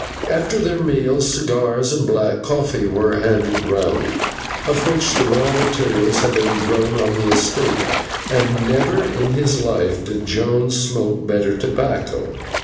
After their meal, cigars and black coffee were handed round, of which the raw materials had been grown on the estate, and never in his life did Jones smoke better tobacco.